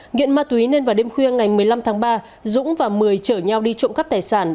nghiện ma túy nên vào đêm khuya ngày một mươi năm tháng ba dũng và mười chở nhau đi trộm cắp tài sản